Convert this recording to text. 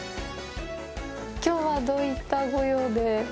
きょうは、どういったご用で？